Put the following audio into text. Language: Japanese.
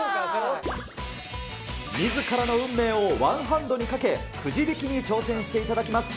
みずからの運命をワンハンドにかけ、くじ引きに挑戦していただきます。